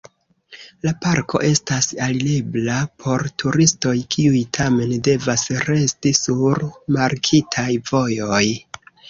La parko estas alirebla por turistoj, kiuj tamen devas resti sur markitaj vojoj.